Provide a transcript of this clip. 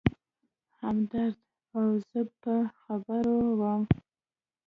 همدرد او زه په خبرو و.